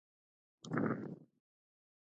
د ادب له لاري احساسات راویښیږي.